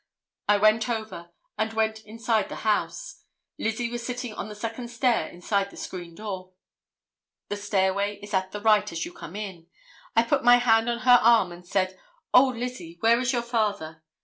I went over and went into the house. Lizzie was sitting on the second stair inside the screen door. The stairway is at the right as you come in. I put my hand on her arm and said, 'O, Lizzie, where is your father?